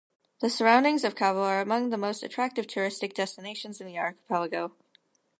The surroundings of Cavo are among the most attractive touristic destinations in the archipelago.